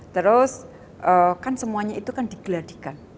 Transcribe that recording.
terus kan semuanya itu kan digeladikan